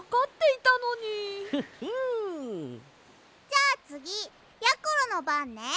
じゃあつぎやころのばんね。